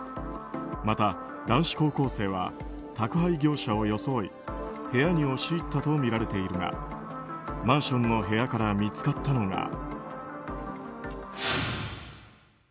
また、男子高校生は宅配業者を装い部屋に押し入ったとみられているがマンションの部屋から見つかったのが。